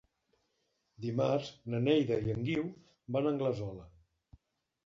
Dimarts na Neida i en Guiu van a Anglesola.